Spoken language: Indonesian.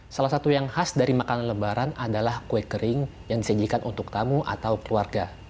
salah satu yang khas dari makanan lebaran adalah kue kering yang disajikan untuk tamu atau keluarga